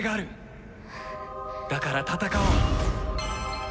だから戦おう！